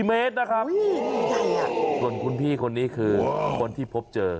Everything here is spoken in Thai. เมตรนะครับส่วนคุณพี่คนนี้คือคนที่พบเจอ